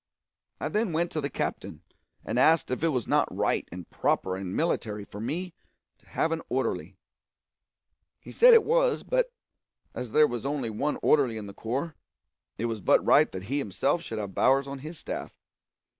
I then went to the captain, and asked if it was not right and proper and military for me to have an orderly. He said it was, but as there was only one orderly in the corps, it was but right that he himself should have Bowers on his staff.